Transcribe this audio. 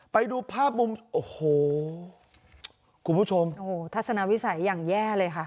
ไปดูภาพมุมโอ้โหคุณผู้ชมโอ้โหทัศนวิสัยอย่างแย่เลยค่ะ